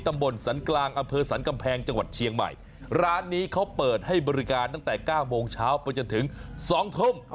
ตำบลสันกลางอำเภอสรรกำแพงจังหวัดเชียงใหม่ร้านนี้เขาเปิดให้บริการตั้งแต่เก้าโมงเช้าไปจนถึงสองทุ่ม